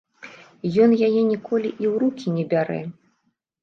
Ён яе ніколі і ў рукі не бярэ.